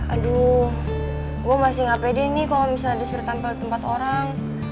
aduh gue masih gak pede nih kalau misalnya disuruh tampil ke tempat orang